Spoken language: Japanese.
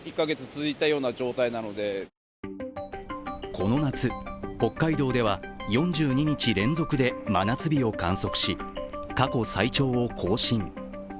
この夏、北海道では４２日連続で真夏日を観測し過去最長を更新。